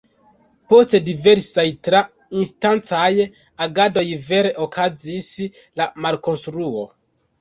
Post diversaj tra-instancaj agadoj vere okazis la malkonstruo.